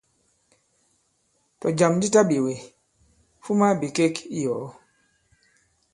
Tɔ̀jàm di taɓēwe, fuma bìkek i yɔ̀ɔ.